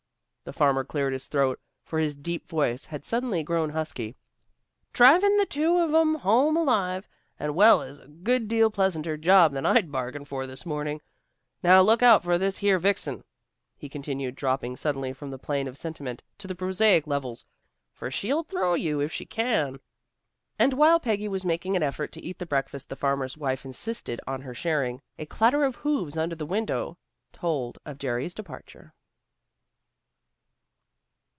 The farmer cleared his throat, for his deep voice had suddenly grown husky. "Driving the two of 'em home alive and well is a good deal pleasanter job than I'd bargained for this morning. Now look out for this here vixen," he continued, dropping suddenly from the plane of sentiment to the prosaic levels, "for she'll throw you if she can." And while Peggy was making an effort to eat the breakfast the farmer's wife insisted on her sharing, a clatter of hoofs under the window told of Jerry's departure.